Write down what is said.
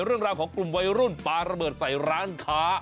เรื่องราวของกลุ่มวัยรุ่นปลาระเบิดใส่ร้านค้า